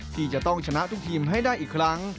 ที่จะต้องชนะทุกทีมให้ได้อีกครั้ง